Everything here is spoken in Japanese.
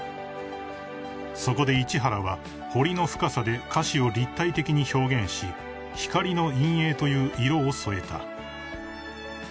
［そこで市原は彫りの深さで菓子を立体的に表現し光の陰影という色を添えた］